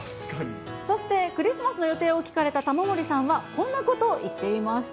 そして、クリスマスの予定を聞かれた玉森さんはこんなことを言っていました。